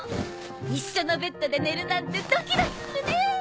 一緒のベッドで寝るなんてドキドキするね！